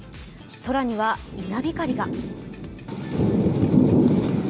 空には稲光が。